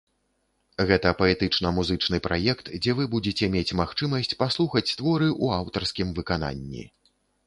Гэта паэтычна-музычны праект, дзе вы будзеце мець магчымасць паслухаць творы ў аўтарскім выкананні.